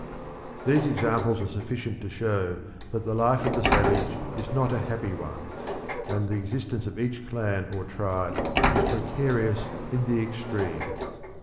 These examples are sufficient to show that the life of the savage is not a happy one, and the existence of each clan or tribe is precarious in the extreme.